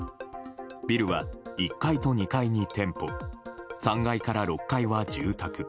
ビルは１階と２階に店舗３階から６階は住宅。